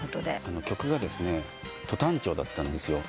曲がト短調だったんですよ。